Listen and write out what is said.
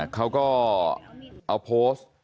เขาก็เอาโพสต์